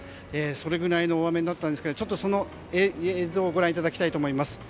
それぐらいの大雨になったんですけどその映像をご覧いただきたいと思います。